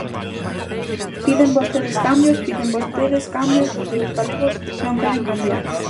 Piden vostedes cambios, piden vostedes cambios do que os galegos non queren cambiar.